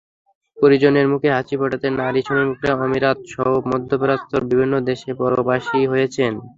পরিজনের মুখে হাসি ফোটাতে নারী শ্রমিকরা আমিরাতসহ মধ্যপ্রাচ্যের বিভিন্ন দেশে পরবাসী হয়েছেন।